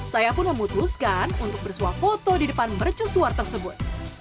saya pun memutuskan untuk bersuah foto di depan mercusuar tersebut